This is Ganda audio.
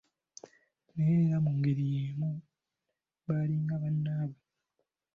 Naye era mu ngeri yeemu balinga bannaabwe.